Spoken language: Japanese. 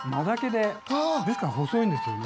ですから細いんですよね。